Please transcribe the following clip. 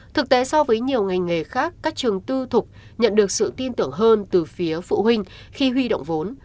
thực tế so với nhiều ngành nghề khác các trường tư thục nhận được sự tin tưởng hơn từ phía phụ huynh khi huy động vốn